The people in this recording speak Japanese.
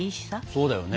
そうだよね。